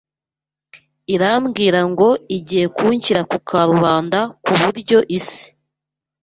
irambwira ngo igiye kunshyira ku karubanda ku buryo isi